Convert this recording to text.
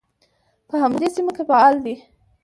په همدې سیمه کې فعال دی.